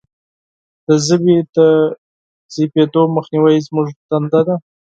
د ژبې د ضعیفیدو مخنیوی زموږ دنده ده.